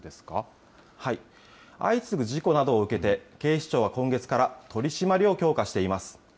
相次ぐ事故などを受けて、警視庁は今月から、取締りを強化しています。